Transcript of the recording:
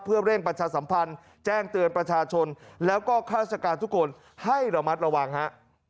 เพื่อเร่งประชาสัมพันธ์แจ้งเตือนประชาชนแล้วก็ข้าราชการทุกคนให้ระมัดระวังฮะ